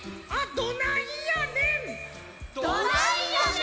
どないやねん！